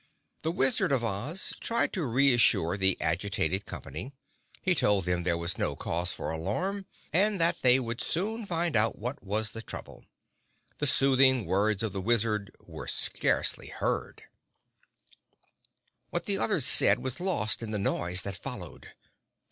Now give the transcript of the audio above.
The Wizard of Oz tried to reassure the agitated company. He told them there was no cause for alarm, and that they would soon find out what was the trouble. The soothing words of the Wizard were scarcely heard. [Illustration: The Smiling Little Wizard of Oz] What the others said was lost in the noise that followed.